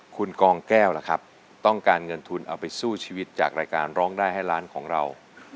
คุณกองแก้วล่ะครับต้องการเงินทุนเอาไปสู้ชีวิตจากรายการร้องได้ให้ล้านของเรา